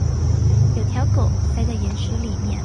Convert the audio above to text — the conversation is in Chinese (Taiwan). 有條狗塞在岩石裡面